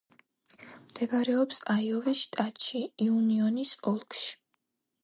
მდებარეობს აიოვის შტატში, იუნიონის ოლქში.